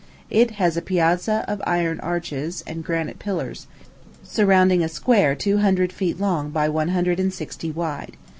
It is a piazza of iron arches and granite pillars, surrounding a square two hundred feet long by one hundred and sixty wide.